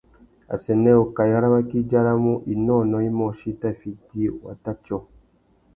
Assênē ukaï râ waki i djaramú « inônōh imôchï i tà fiti wata tiô ».